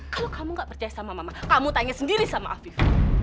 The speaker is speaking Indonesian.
kalau kamu gak percaya sama mama kamu tanya sendiri sama afif